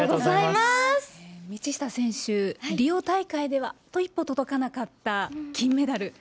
道下選手、リオ大会ではあと一歩届かなかった金メダル。